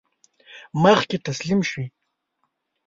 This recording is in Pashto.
مخکې تسلیم شي.